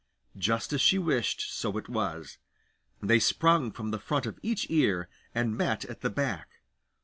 Just as she wished, so it was. They sprung from the front of each ear, and met at the back.